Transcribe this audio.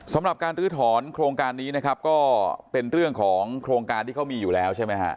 สำหรับการลื้อถอนโครงการนี้นะครับก็เป็นเรื่องของโครงการที่เขามีอยู่แล้วใช่ไหมฮะ